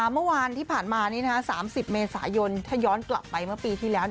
เมื่อวานที่ผ่านมานี้๓๐เมษายนถ้าย้อนกลับไปเมื่อปีที่แล้ว